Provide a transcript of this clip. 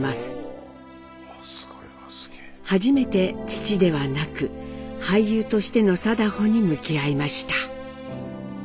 初めて父ではなく俳優としての禎穗に向き合いました。